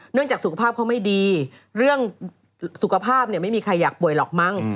จากสุขภาพเขาไม่ดีเรื่องสุขภาพเนี่ยไม่มีใครอยากป่วยหรอกมั้ง